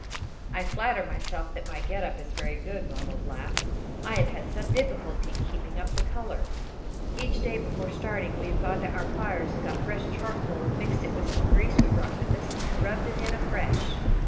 "I flatter myself that my get up is very good," Ronald laughed. "I have had some difficulty in keeping up the colour. Each day before starting we have gone to our fires and got fresh charcoal and mixed it with some grease we brought with us and rubbed it in afresh."